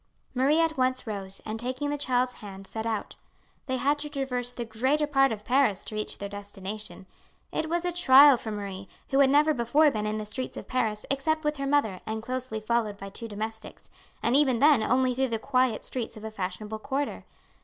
Marie at once rose, and taking the child's hand set out. They had to traverse the greater part of Paris to reach their destination. It was a trial for Marie, who had never before been in the streets of Paris except with her mother and closely followed by two domestics, and even then only through the quiet streets of a fashionable quarter.